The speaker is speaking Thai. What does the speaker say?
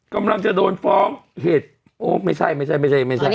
กำลังจะโดนฟ้องเหตุโอ้ไม่ใช่ไม่ใช่ไม่ใช่